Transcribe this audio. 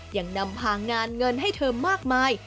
ยังนำพางานเงินให้เธอมากมาย